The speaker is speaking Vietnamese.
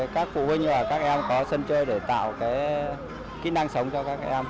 các phụ huynh và các em có sân chơi để tạo kỹ năng sống cho các em